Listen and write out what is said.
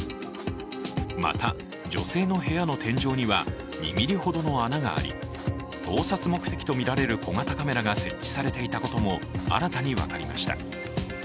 また、女性の部屋の天井には２ｍｍほどの穴があり、盗撮目的とみられる小型カメラが設置されていたことも新たに分かりました。